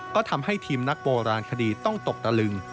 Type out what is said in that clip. ก็ทำให้ทีมนักโบราณคดีต้องตกตะลึง